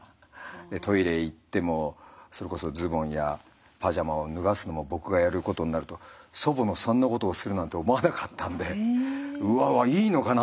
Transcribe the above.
トイレ行ってもそれこそズボンやパジャマを脱がすのも僕がやることになると祖母のそんなことをするなんて思わなかったんでうわわいいのかなと思いながら。